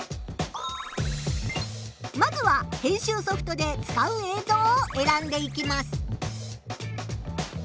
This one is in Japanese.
まずは編集ソフトで使う映像をえらんでいきます。